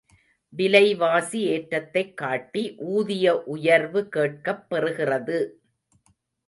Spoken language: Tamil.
விலைவாசி ஏற்றத்தைக் காட்டி ஊதிய உயர்வு கேட்கப் பெறுகிறது.